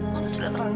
mama sudah terangkan